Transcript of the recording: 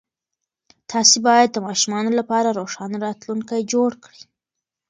تاسې باید د ماشومانو لپاره روښانه راتلونکی جوړ کړئ.